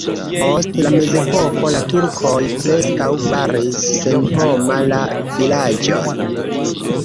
Post la mezepoko la turkoj preskaŭ faris senhoma la vilaĝon.